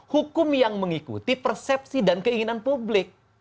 hukum yang mengikuti persepsi dan keinginan publik